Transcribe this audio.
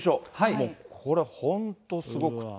もうこれは本当すごくって。